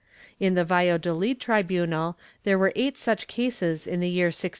In the Valladolid tribunal there were eight such cases in the year 1641.